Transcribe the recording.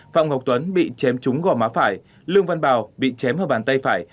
phạm ngọc tuấn bị chém trúng gò má phải lương văn bào bị chém ở bàn tay phải